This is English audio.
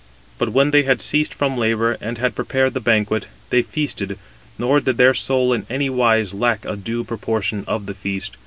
But when they had ceased from labour, and had prepared the banquet, they feasted, nor did their soul in anywise lack a due proportion of the feast.